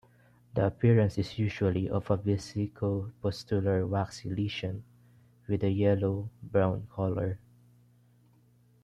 The appearance is usually of a vesico-pustular waxy lesion with a yellow brown colour.